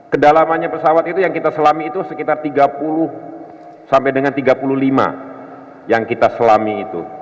kedalamannya pesawat itu yang kita selami itu sekitar tiga puluh sampai dengan tiga puluh lima yang kita selami itu